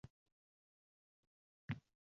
Bu kabi noxush holatlarga deyarli har qadamda.